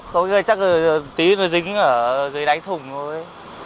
không biết chắc tí nó dính ở dưới đáy thùng thôi